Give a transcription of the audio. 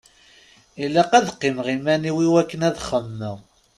Ilaq ad qqimeɣ iman-iw i wakken ad xemmeɣ.